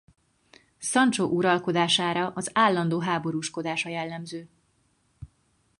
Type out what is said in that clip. Sancho uralkodására az állandó háborúskodás a jellemző.